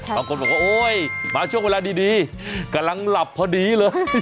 บางคนบอกว่าโอ๊ยมาช่วงเวลาดีกำลังหลับพอดีเลย